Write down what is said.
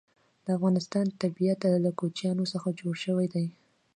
د افغانستان طبیعت له کوچیانو څخه جوړ شوی دی.